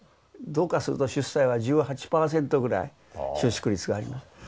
どうかすると出西は１８％ぐらい収縮率があります。